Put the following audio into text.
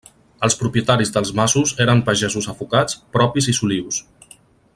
Els propietaris dels masos eren pagesos afocats, propis i solius.